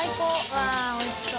わっおいしそう。